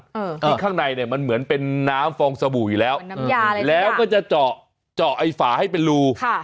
นิดข้างในแบบมันเหมือนเป็นน้ำฟองสบู่อยู่แล้วและก็จะเจาะไฟให้เป็นรู